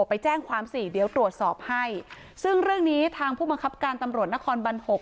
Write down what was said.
ไปแจ้งความสิเดี๋ยวตรวจสอบให้ซึ่งเรื่องนี้ทางผู้บังคับการตำรวจนครบันหก